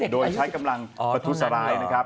โดยใช้กำลังประทุสราย